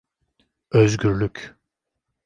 Özgürlük!